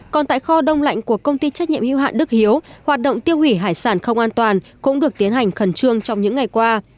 còn tại kho đông lạnh của công ty trách nhiệm hữu hạn đức hiếu hoạt động tiêu hủy hải sản không an toàn cũng được tiến hành khẩn trương trong những ngày qua